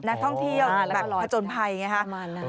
นักท่องเที่ยวแบบผจญภัยอย่างนี้ค่ะ